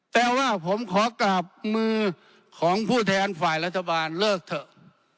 แต่ว่าผมขอกราบมือของผู้แทนฝ่ายรัฐบาลเลิกเถอะ